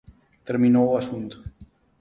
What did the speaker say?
Terminou o asunto.